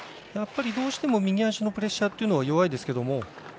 どうしても右足のプレッシャーというのが弱いですけれども。